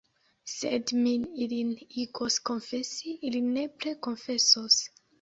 Sed mi ilin igos konfesi, ili nepre konfesos.